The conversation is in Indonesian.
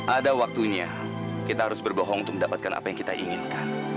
ada waktunya kita harus berbohong untuk mendapatkan apa yang kita inginkan